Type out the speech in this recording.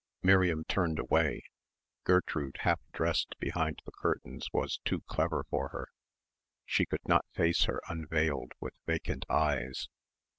Miriam turned away. Gertrude half dressed behind the curtains was too clever for her. She could not face her unveiled with vacant eyes.